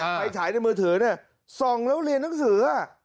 ไฟฉายในมือถือเนี่ยส่องแล้วเรียนนักศึกษ์อ่ะ